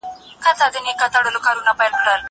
زه اوږده وخت چايي څښم!؟